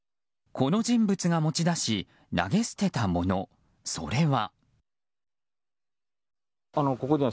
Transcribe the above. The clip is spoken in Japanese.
この人物が持ち出し投げ捨てたもの、それは。